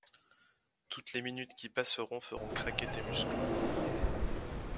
Toutes les minutes qui passeront feront craquer tes muscles.